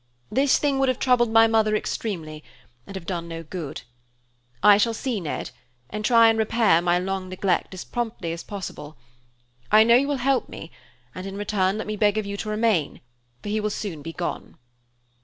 This thing would have troubled my mother extremely, and have done no good. I shall see Ned, and try and repair my long neglect as promptly as possible. I know you will help me, and in return let me beg of you to remain, for he will soon be gone."